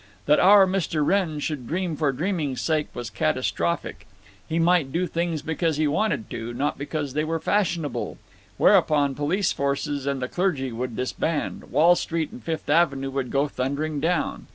That Our Mr. Wrenn should dream for dreaming's sake was catastrophic; he might do things because he wanted to, not because they were fashionable; whereupon, police forces and the clergy would disband, Wall Street and Fifth Avenue would go thundering down.